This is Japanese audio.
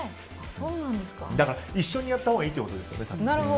一緒にやったほうがいいということですよね。